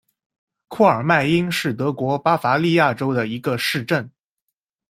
库尔迈因是德国巴伐利亚州的一个市镇。